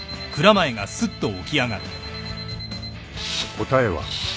［答えは］